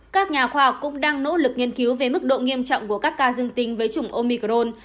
các nhà khoa học cũng đang nỗ lực nghiên cứu về mức độ nghiêm trọng của các ca dương tính với chủng omicron